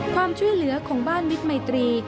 ความช่วยเหลือของบ้านมิตรมัยตรี